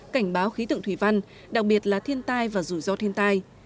cảnh báo khí tượng thủy văn đặc biệt là thiên tai và rủi ro thiên tai